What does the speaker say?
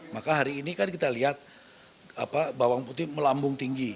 maka hari ini kan kita lihat bawang putih melambung tinggi